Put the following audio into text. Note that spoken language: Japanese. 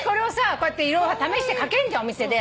こうやって試して掛けんじゃんお店で。